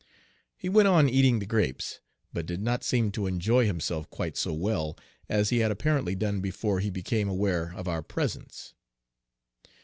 He went on eating the grapes, but did not seem to enjoy himself quite so well as he had apparently done before he became aware of our presence.